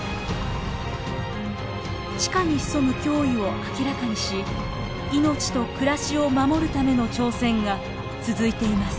地下に潜む脅威を明らかにし命と暮らしを守るための挑戦が続いています。